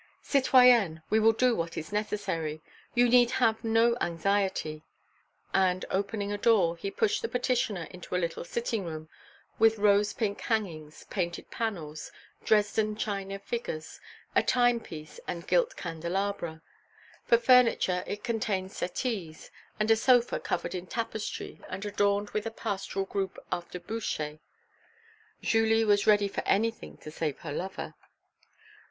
"Citoyenne, we will do what is necessary. You need have no anxiety," and opening a door, he pushed the petitioner into a little sitting room, with rose pink hangings, painted panels, Dresden china figures, a time piece and gilt candelabra; for furniture it contained settees, and a sofa covered in tapestry and adorned with a pastoral group after Boucher. Julie was ready for anything to save her lover.